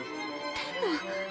でも。